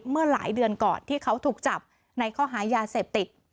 เมื่อหลายเดือนก่อนที่เขาถูกจับในข้อหายาเสพติด